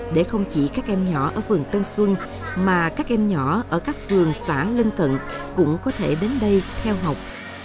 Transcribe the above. để không chỉ các em nhỏ ở vườn tân xuân mà các em nhỏ ở các vườn sản lên cận cũng có thể đến đây theo học